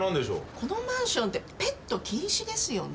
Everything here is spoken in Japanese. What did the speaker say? このマンションってペット禁止ですよね？